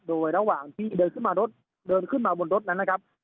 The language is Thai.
โดยระหว่างที่เดินขึ้นมารถเดินขึ้นมาบนรถนั้นนะครับ